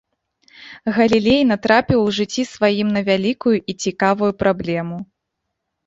Галілей натрапіў у жыцці сваім на вялікую і цікавую праблему.